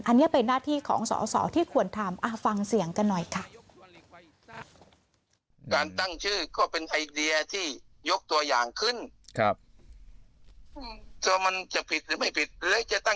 อันนี้เป็นหน้าที่ของสอสอที่ควรทำฟังเสียงกันหน่อยค่ะ